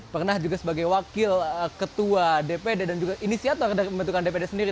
pernah juga sebagai wakil ketua dpd dan juga inisiator dari pembentukan dpd sendiri